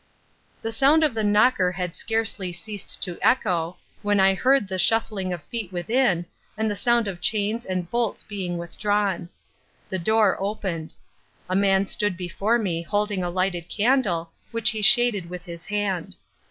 The sound of the knocker had scarcely ceased to echo when I heard the shuffling of feet within, and the sound of chains and bolts being withdrawn. The door opened. A man stood before me holding a lighted candle which he shaded with his hand.